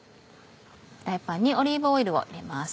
フライパンにオリーブオイルを入れます。